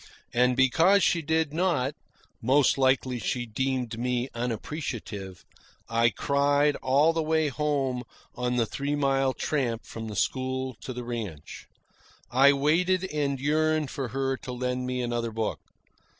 And because she did not most likely she deemed me unappreciative I cried all the way home on the three mile tramp from the school to the ranch. I waited and yearned for her to lend me another book.